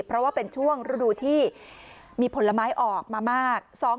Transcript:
เพราะว่าเป็นช่วงฤดูที่มีผลไม้ออกมามาก